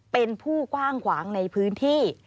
เป็นผู้กว้างขวางในพื้นที่